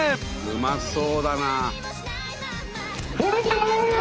うまそうだな！